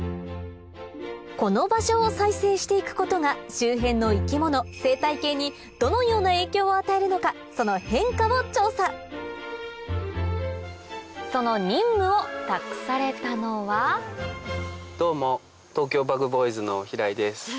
この場所を再生していくことが周辺の生き物生態系にどのような影響を与えるのかその変化を調査その任務を託されたのはどうも。